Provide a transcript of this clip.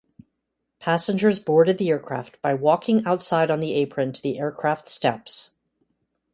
Passengers boarded the aircraft by walking outside on the apron to the aircraft steps.